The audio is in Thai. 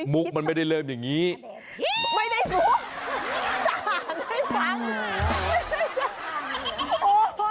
มุกมันไม่ได้เริ่มอย่างนี้ไม่ได้มุก